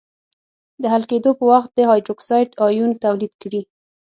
د حل کېدو په وخت د هایدروکساید آیون تولید کړي.